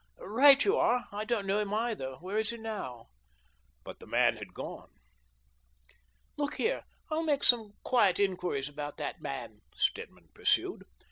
Right you are. I don't know him either. Where is he now?" But the man had gone. " Look here, I'll make some quiet inquiries about that man," Stedman pursued.